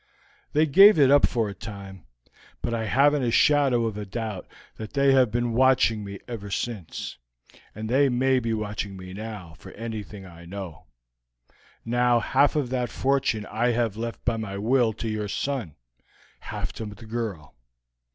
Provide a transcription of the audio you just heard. They gave it up for a time, but I haven't a shadow of a doubt that they have been watching me ever since, and they may be watching me now, for anything I know. Now, half of that fortune I have left by my will to your son; half to the girl.